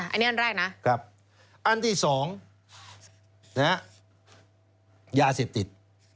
อันนี้อันแรกนะอันที่๒ยาเสพติด